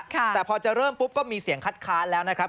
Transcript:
แต่พอจะเริ่มปุ๊บก็มีเสียงคัดค้านแล้วนะครับ